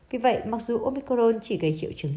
vì vậy mặc dù omicron chỉ gây triệu chứng